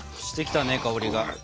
してきたね香りが。